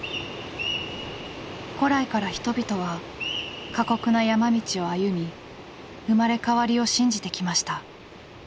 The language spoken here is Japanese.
古来から人々は過酷な山道を歩み生まれ変わりを信じてきました。